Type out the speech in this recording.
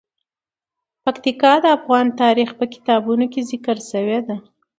پکتیکا د افغان تاریخ په کتابونو کې ذکر شوی دي.